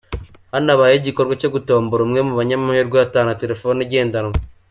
Hanabayeho igikorwa cyo gutombola umwe mu banyamahirwe atahana telefone igendanwa.